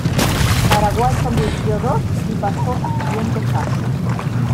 Paraguay convirtió dos y pasó a siguiente fase.